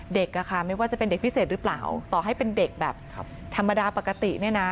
ไม่ว่าจะเป็นเด็กพิเศษหรือเปล่าต่อให้เป็นเด็กแบบธรรมดาปกติเนี่ยนะ